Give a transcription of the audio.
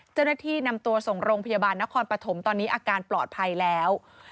เจ้าหน้าที่นำตัวส่งโรงพยาบาลนครปฐมตอนนี้อาการปลอดภัยแล้ว